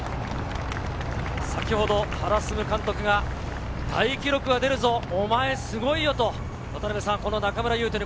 先ほど原晋監督が大記録が出るぞ、お前すごいよと中村唯